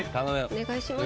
お願いします。